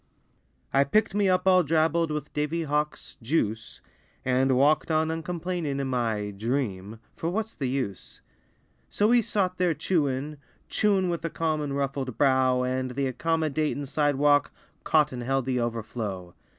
I picked me up all drabbled With Davy Hawk's "juice" And walked on uncomplainin' In my "dream," for what's the use? So he sot there chewin', chewin' With a calm unruffled brow, And the accommodatin' sidewalk Caught and held the overflow.